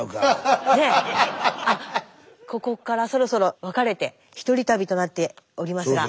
ここからそろそろ分かれて１人旅となっておりますが。